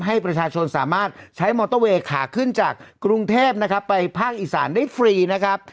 ให้ประชาชนสามารถใช้มอเตอร์เวย์ขาขึ้นจากกรุงเทพนะครับไปภาคอีสานได้ฟรีนะครับ